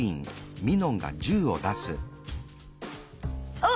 あっ！